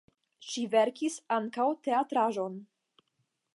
Ŝi verkis ankaŭ teatraĵon.